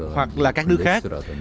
hoặc là các nước khác